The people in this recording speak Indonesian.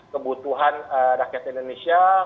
kebutuhan rakyat indonesia